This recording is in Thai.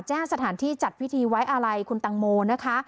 แจ้งสถานที่จัดพิธีไว้อาลัยคุณตังโมนะคะ